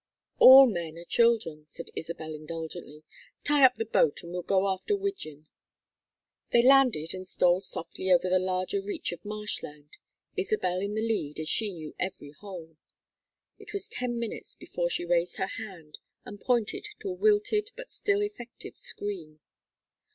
"All men are children," said Isabel, indulgently. "Tie up the boat and we'll go after widgeon." They landed and stole softly over the larger reach of marsh land, Isabel in the lead as she knew every hole. It was ten minutes before she raised her hand and pointed to a wilted but still effective screen.